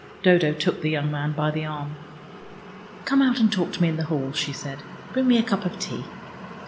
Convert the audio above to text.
Dodo took the young man by the arm. "Come out and talk to me in the hall," she said. "Bring me a cup of tea."